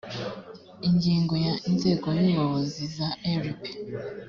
ingingo ya inzego z ubuyobozi za rp